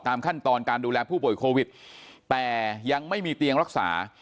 ขั้นตอนการดูแลผู้ป่วยโควิดแต่ยังไม่มีเตียงรักษา